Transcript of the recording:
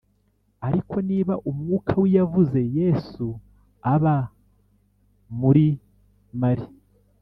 Ariko niba Umwuka w Iyazuye Yesu aba muri mali